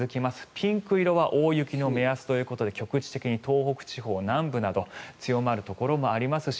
ピンク色は大雪の目安ということで局地的に東北地方南部など強まるところもありますし